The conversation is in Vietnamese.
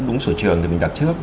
đúng sổ trường thì mình đặt trước